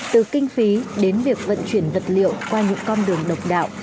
từ kinh phí đến việc vận chuyển vật liệu qua những con đường độc đạo